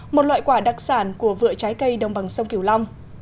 một loại quả đặc sản của vựa trái cây đồng bằng sông kiều long